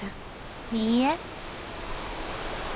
いいえ。